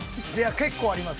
結構あります。